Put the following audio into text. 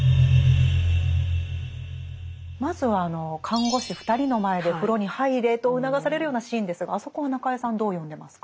まずは看護師２人の前で風呂に入れと促されるようなシーンですがあそこは中江さんどう読んでますか？